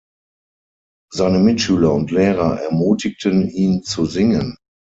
Seine Mitschüler und Lehrer ermutigten ihn zu singen.